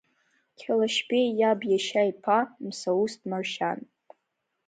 Қьалашьбеи иаб иашьа иԥа мсаусҭ Маршьан…